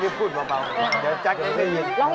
นิ้วคุณเบาเดี๋ยวจ๊ากเค้าไปยิน